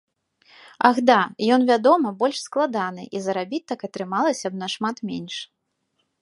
Ах да, ён, вядома, больш складаны і зарабіць так атрымалася б нашмат менш.